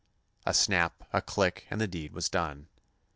A snap, a click, and the deed was done!